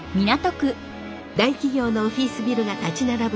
大企業のオフィスビルが立ち並ぶ